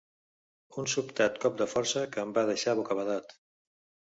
Un sobtat cop de força que em va deixar bocabadat.